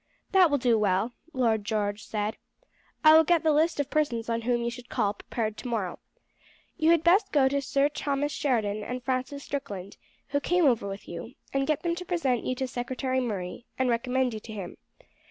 "That will do well," Lord George said. "I will get the list of persons on whom you should call prepared tomorrow. You had best go to Sir Thomas Sheridan and Francis Strickland, who came over with you, and get them to present you to Secretary Murray and recommend you to him.